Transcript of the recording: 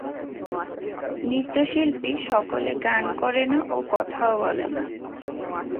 নৃত্যশিল্পী সকলে গান করে না ও কথাও বলে না।